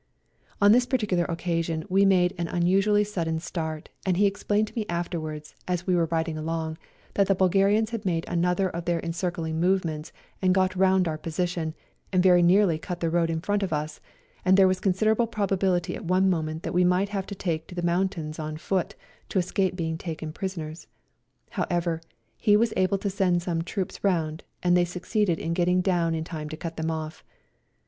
On this particular occasion we made an unusually sudden start, and he explained 106 GOOD BYE TO SERBIA to me afterwards, as we were riding along, that the Bulgarians had made another of their encircling movements, and got round our position, and very nearly cut the road in front of us, and there was considerable probability at one moment that we might have to take to the mountains on foot, to escape being taken prisoners. However, he was able to send some troops round, and they succeeded in getting down in time to cut them off.